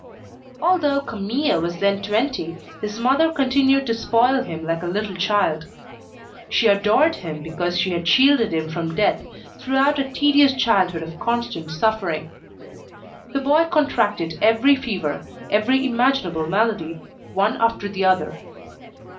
Although Camille was then twenty, his mother continued to spoil him like a little child. She adored him because she had shielded him from death, throughout a tedious childhood of constant suffering. The boy contracted every fever, every imaginable malady, one after the other.